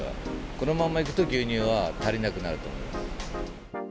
このまんまいくと牛乳は足りなくなると思います。